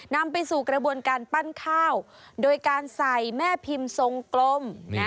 นำไปสู่กระบวนการปั้นข้าวโดยการใส่แม่พิมพ์ทรงกลม